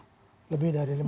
dan juga penjara kita penuh